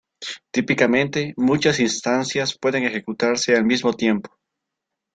Típicamente, muchas instancias pueden ejecutarse al mismo tiempo.